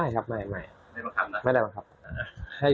ใช่